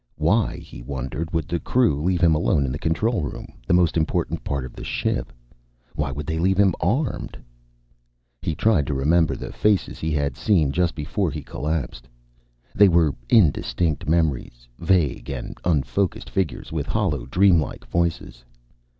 Why, he wondered, would the crew leave him alone in the control room, the most important part of the ship? Why would they leave him armed? He tried to remember the faces he had seen just before he collapsed. They were indistinct memories, vague and unfocused figures with hollow, dreamlike voices.